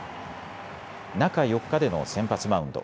中４日での先発マウンド。